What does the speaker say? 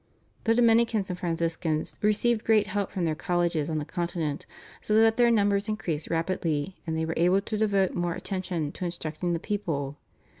The Dominicans and Franciscans received great help from their colleges on the Continent so that their numbers increased rapidly, and they were able to devote more attention to instructing the people.